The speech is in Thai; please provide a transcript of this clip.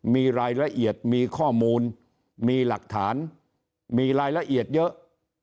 มีรายละเอียดมีข้อมูลมีหลักฐานมีรายละเอียดเยอะ